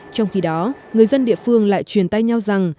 trong khi đó người dân địa phương lại truyền tay nhau rằng